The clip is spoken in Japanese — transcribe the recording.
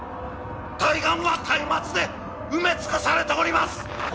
対岸はたいまつで埋め尽くされております！